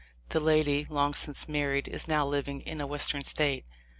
The lady, long since married, is now living in a Western State.